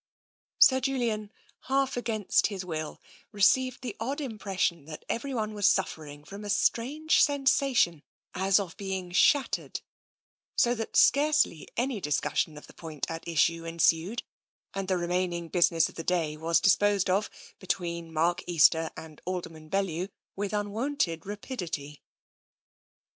" Sir Julian, half against his will, received the odd im pression that everyone was suffering from a strange sensation as of being shattered, so that scarcely any discussion of the point at issue ensued, and the remain ing business of the day was disposed of between Mark Easter and Alderman Bellew with unwonted rapidity.